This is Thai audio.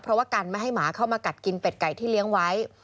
เพราะว่ากันไม่ให้หมาเข้ามากัดกินเป็ดไก่ที่เลี้ยงไว้